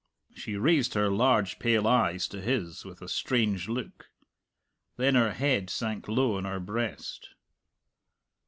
She raised her large pale eyes to his with a strange look. Then her head sank low on her breast.